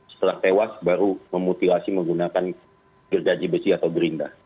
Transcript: setelah tewas baru memutilasi menggunakan gergaji besi atau gerinda